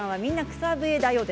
草笛だよ」。